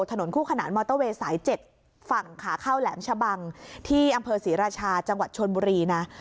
ถนนคู่ขนานมอเตอร์เวย์สาย๗ฝั่งขาเข้าแหลมชะบังที่อำเภอศรีราชาจังหวัดชนบุรีนะ